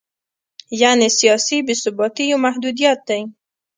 یعنې سیاسي بې ثباتي یو محدودیت دی.